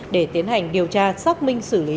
để tiến hành điều tra xác minh xử lý